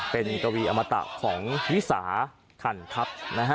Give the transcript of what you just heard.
เป็นกวีอมตะของวิสาขันทัพนะฮะ